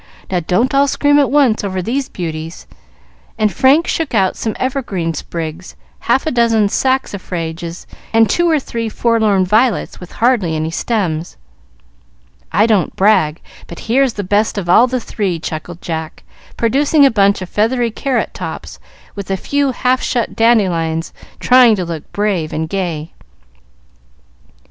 Now, don't all scream at once over these beauties;" and Frank shook out some evergreen sprigs, half a dozen saxifrages, and two or three forlorn violets with hardly any stems. "I don't brag, but here's the best of all the three," chuckled Jack, producing a bunch of feathery carrot tops, with a few half shut dandelions trying to look brave and gay.